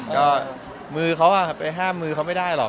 ก็มือเขาไปห้ามมือเขาไม่ได้หรอก